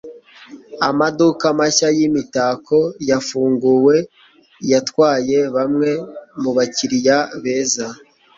amaduka mashya yimitako yafunguwe yatwaye bamwe mubakiriya beza